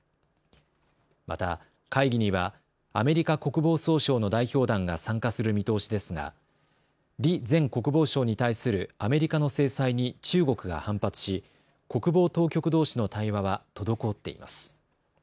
また会議にはアメリカ国防総省の代表団が参加する見通しですが李前国防相に対するアメリカの制裁に中国が反発し、国防当局どうしの対話は滞っています。